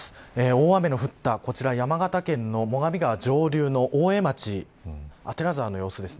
大雨の降ったこちら山形県の最上川上流の大江町左沢の様子です。